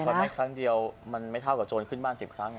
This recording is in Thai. หรือว่าแค่ครั้งเดียวมันไม่เท่ากับโจรขึ้นบ้านสิบครั้ง